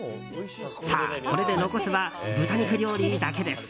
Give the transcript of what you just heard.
さあ、これで残すは豚肉料理だけです。